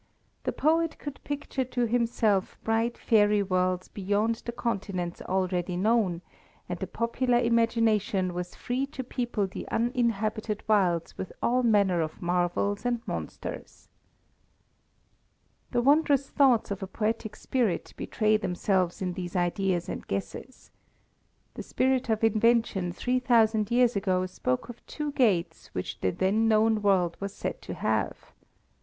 The poet could picture to himself bright fairy worlds beyond the continents already known, and the popular imagination was free to people the uninhabited wilds with all manner of marvels and monsters. The wondrous thoughts of a poetic spirit betray themselves in these ideas and guesses. The spirit of invention three thousand years ago spoke of two gates which the then known world was said to have.